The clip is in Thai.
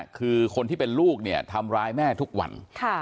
คือคนที่เป็นลูกเนี่ยทำร้ายแม่ทุกวัน